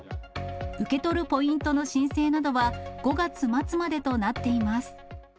受け取るポイントの申請などは、５月末までとなっています。